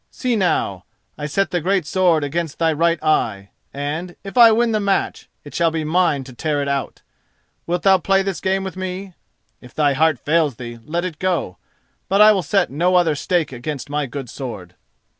See now: I set the great sword against thy right eye, and, if I win the match, it shall be mine to tear it out. Wilt thou play this game with me? If thy heart fails thee, let it go; but I will set no other stake against my good sword."